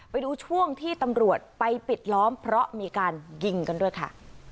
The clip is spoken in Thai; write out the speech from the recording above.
ไปดูช่วงที่ตำรวจไปปิดล้อมเพราะมีการยิงกันด้วยค่ะ